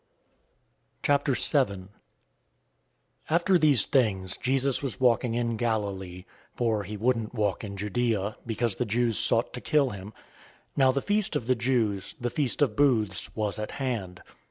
007:001 After these things, Jesus was walking in Galilee, for he wouldn't walk in Judea, because the Jews sought to kill him. 007:002 Now the feast of the Jews, the Feast of Booths, was at hand.